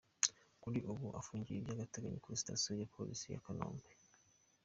Kuri ubu afungiye by’agateganyo kuri Sitasiyo ya Polisi ya Kanombe.